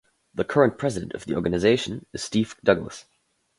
The current president of the organization is Steve Douglass.